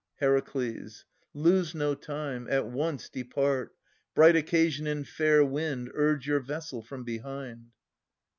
Her. Lose no time: at once depart! Bright occasion and fair wind Urge your vessel from behind.